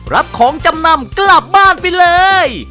รับของจำนำกลับบ้านไปเลย